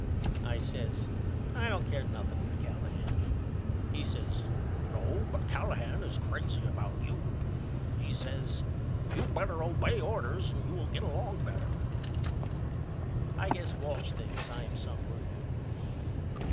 I says I don't care nothing for Callahan. He says No but Callahan is crazy about you. He says You better obey orders and you will git along better. I guess Walsh thinks I am some rube.